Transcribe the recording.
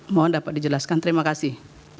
mohon dapat dijelaskan terima kasih